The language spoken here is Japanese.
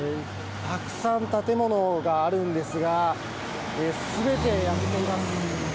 たくさん、建物があるんですが全て焼けています。